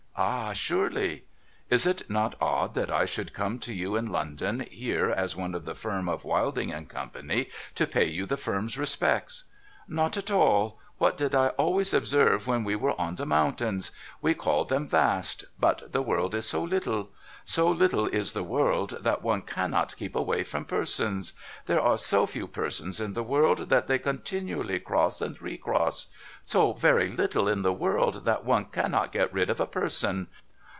Ah, surely !'' Is it not odd that I should come to you, in London here, as one of the Firm of Wilding and Co., to pay the Firm's respects?' ' Not at all ! What did I always observe when we were on the mountains ? We call them vast ; but the world is so little. So little is the world, that one cannot keep away from persons. There are so few persons in the world, that they continually cross and re cross. So very little is the world, that one cannot get rid of a person.